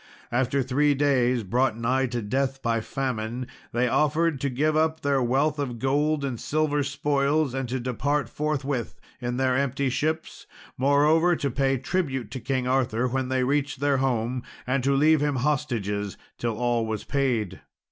After three days, brought nigh to death by famine, they offered to give up their wealth of gold and silver spoils, and to depart forthwith in their empty ships; moreover, to pay tribute to King Arthur when they reached their home, and to leave him hostages till all was paid.